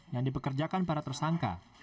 yang dipekerjakan para tersangka